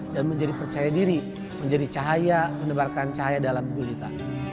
dan menjadi percaya diri menjadi cahaya mendebarkan cahaya dalam dunia kita